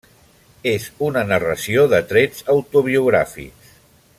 És una narració de trets autobiogràfics.